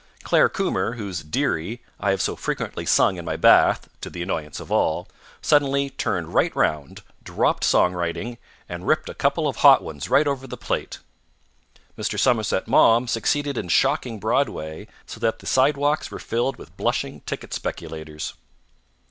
Clare Kummer, whose "Dearie" I have so frequently sung in my bath, to the annoyance of all, suddenly turned right round, dropped song writing, and ripped a couple of hot ones right over the plate. Mr. Somerset Maugham succeeded in shocking Broadway so that the sidewalks were filled with blushing ticket speculators.